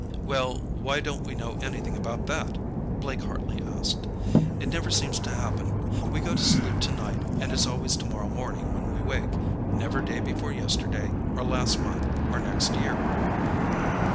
"Well, why don't we know anything about that?" Blake Hartley asked. "It never seems to happen. We go to sleep tonight, and it's always tomorrow morning when we wake; never day before yesterday, or last month, or next year."